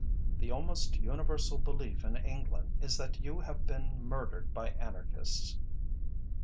"The almost universal belief in England is that you have been murdered by Anarchists."